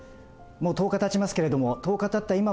もう１０日たちますけれども１０日たった